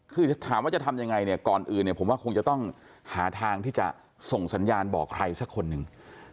คือถามว่าจะทำยังไงเนี่ยก่อนอื่นเนี่ยผมว่าคงจะต้องหาทางที่จะส่งสัญญาณบอกใครสักคนหนึ่ง